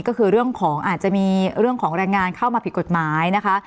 ก็คือเรื่องของอาจจะมีเรื่องของแรงงานเข้ามาผิดกฎหมายนะคะ